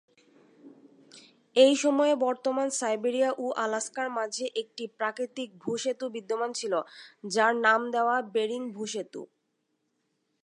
ওই সময়ে বর্তমান সাইবেরিয়া ও আলাস্কার মাঝে একটি প্রাকৃতিক ভূ-সেতু বিদ্যমান ছিল, যার নাম দেয়া বেরিং ভূ-সেতু।